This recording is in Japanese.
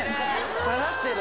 下がってる。